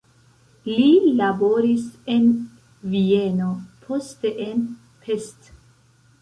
Li laboris en Vieno, poste en Pest.